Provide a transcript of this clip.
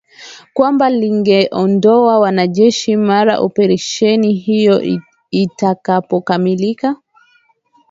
kwamba lingeondoa wanajeshi mara operesheni hiyo itakapokamilika